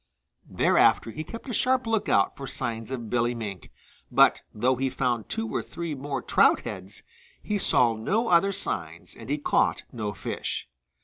Thereafter he kept a sharp lookout for signs of Billy Mink, but though he found two or three more trout heads, he saw no other signs and he caught no fish.